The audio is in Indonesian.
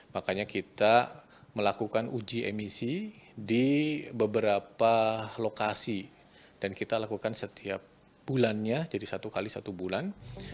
makanya kita melakukan uji emisi di beberapa lokasi dan kita lakukan setiap bulannya jadi satu kali satu bulan